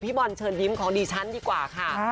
บอลเชิญยิ้มของดิฉันดีกว่าค่ะ